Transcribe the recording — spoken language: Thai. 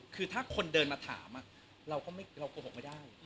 คือถ้าคนเดินมาถามเราโกหกไม่ได้